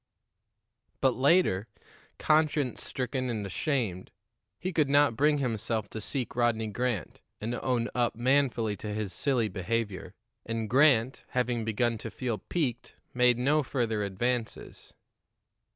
But later, conscience stricken and ashamed, he could not bring himself to seek Rodney Grant and own up manfully to his silly behavior. And Grant, having begun to feel piqued, made no further advances.